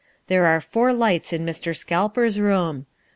There are four lights in Mr. Scalper's room.